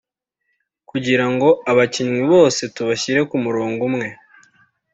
kugira ngo abakinnyi bose tubashyire ku murongo umwe